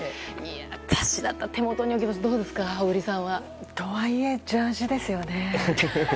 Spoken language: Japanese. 私だったら手元に置くけどどうですか、小栗さんは。とはいえジャージーですよね。